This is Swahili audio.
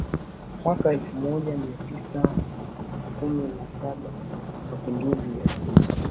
mwaka elfu moja mia tisa kumina saba na mapinduzi ya Bolsheviki chini ya kiongozi